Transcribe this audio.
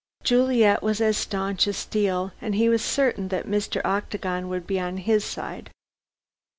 Juliet was as staunch as steel, and he was certain that Mr. Octagon would be on his side.